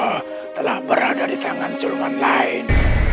pusokopat bungsol telah berada di tangan siluman lain